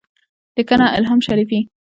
لیکنه : الهام شریفي